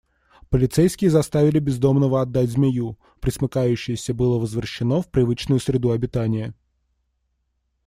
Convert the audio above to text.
Полицейские заставили бездомного отдать змею, пресмыкающееся было возвращено в привычную среду обитания.